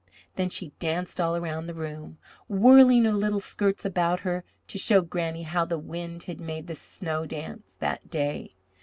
Then she danced all around the room, whirling her little skirts about her to show Granny how the wind had made the snow dance that day.